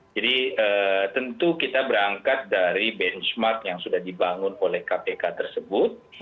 jadi tentu kita berangkat dari benchmark yang sudah dibangun oleh kpk tersebut